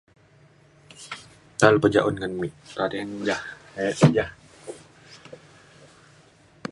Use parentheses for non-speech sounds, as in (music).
ta lu pa ja un ngan me (unintelligible) ja e ja